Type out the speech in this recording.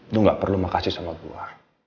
lu nggak perlu makasih sama gua